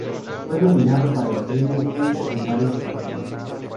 Fue nominado para el Premio Hugo en varias ocasiones.